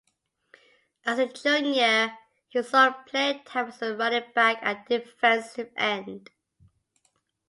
As a junior, he saw playing time as a running back and defensive end.